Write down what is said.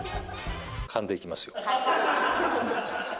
勘でいきますよ。